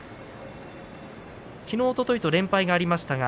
きのう、おとといと連敗がありました。